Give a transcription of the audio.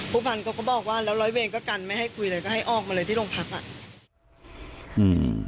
ผู้พันธ์เขาก็บอกว่าแล้วร้อยเวรก็กันไม่ให้คุยเลยก็ให้ออกมาเลยที่โรงพักอ่ะอืม